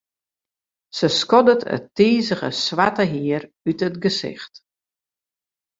Se skoddet it tizige swarte hier út it gesicht.